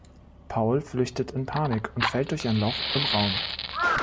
Paul flüchtet in Panik und fällt durch ein Loch im Raum.